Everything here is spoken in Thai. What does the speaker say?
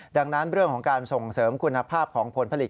ดังนั้นเรื่องของการส่งเสริมคุณภาพของผลผลิต